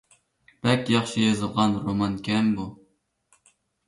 بەك ياخشى يېزىلغان رومانكەن بۇ!